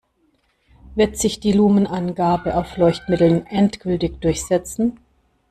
Wird sich die Lumen-Angabe auf Leuchtmitteln endgültig durchsetzen?